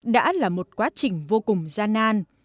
đã là một quá trình vô cùng gian nan